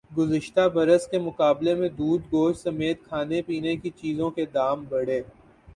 گزشتہ برس کے مقابلے میں دودھ گوشت سمیت کھانے پینے کی چیزوں کے دام بڑھے